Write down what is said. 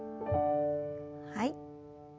はい。